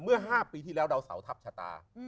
เมื่อ๕ปีที่แล้วดาวเสาทัพชะตา